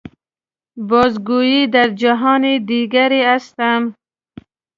باز گوئی در جهان دیگری هستم.